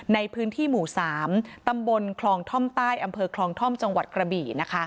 ในพื้นที่หมู่๓ตำบลคลองท่อมใต้อำเภอคลองท่อมจังหวัดกระบี่